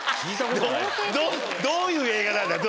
どういう映画なんだよ？